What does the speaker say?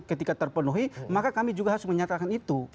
ketika terpenuhi maka kami juga harus menyatakan itu